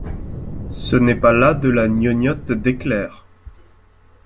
Ce n’est pas là de la gnognotte d’éclair.